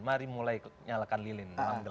mari mulai nyalakan lilin